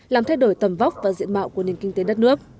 làm thay đổi tầm vóc và diện mạo của nền kinh tế đất nước